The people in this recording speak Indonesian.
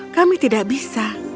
kami tidak bisa